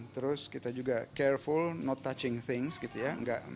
terus kita juga careful not touching things gitu ya